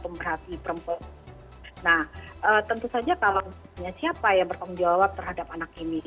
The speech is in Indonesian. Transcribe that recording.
nah tentu saja siapa yang bertanggung jawab terhadap anak ini